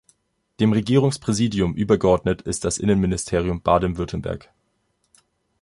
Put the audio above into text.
Dem Regierungspräsidium übergeordnet ist das Innenministerium Baden-Württemberg.